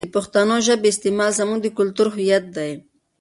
د پښتو ژبې استعمال زموږ د کلتور هویت دی.